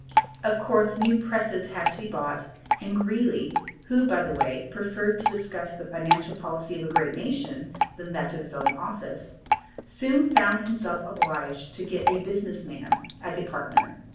Of course new presses had to be bought and Greeley, who by the way preferred to discuss the financial policy of a great nation than that of his own office, soon found himself obliged to get a business man as a partner.